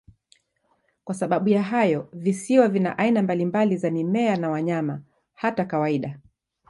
Kwa sababu ya hayo, visiwa vina aina mbalimbali za mimea na wanyama, hata kawaida.